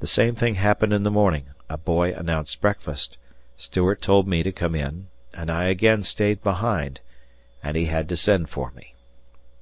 The same thing happened in the morning a boy announced breakfast Stuart told me to come in, and I again stayed behind and he had to send for me.